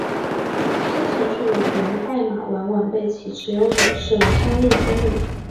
这些程序的源代码往往被其持有者视为商业机密。